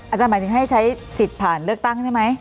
หมายถึงให้ใช้สิทธิ์ผ่านเลือกตั้งได้ไหม